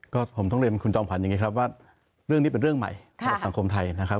ก็ผมต้องเรียนคุณจอมขวัญอย่างนี้ครับว่าเรื่องนี้เป็นเรื่องใหม่สำหรับสังคมไทยนะครับ